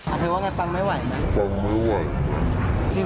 อาเธอว่าอย่างไรปังไม่ไหวเหรอคะปังไม่ไหว